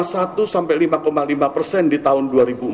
satu sampai lima lima persen di tahun dua ribu empat belas